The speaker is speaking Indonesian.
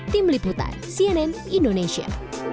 tim liputan cnn indonesia